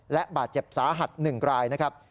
และบาดเจ็บสาหัส๑รายนะครับ